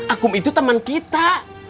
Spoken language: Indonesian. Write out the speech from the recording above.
akum itu temen kita